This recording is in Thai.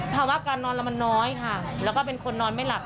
ภาวะการนอนแล้วมันน้อยค่ะแล้วก็เป็นคนนอนไม่หลับ